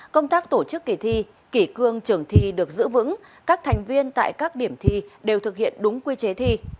công tác tổ chức kỳ thi kỷ cương trường thi được giữ vững các thành viên tại các điểm thi đều thực hiện đúng quy chế thi